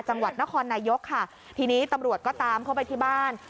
จังหวัดนครนายกค่ะทีนี้ตำรวจก็ตามเข้าไปที่บ้าน